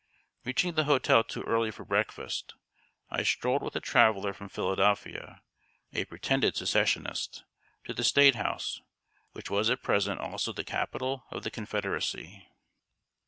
Reaching the hotel too early for breakfast, I strolled with a traveler from Philadelphia, a pretended Secessionist, to the State House, which was at present also the Capitol of the Confederacy.